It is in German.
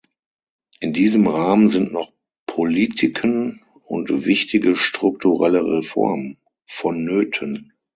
In diesem Rahmen sind noch Politiken und wichtige strukturelle Reformen vonnöten.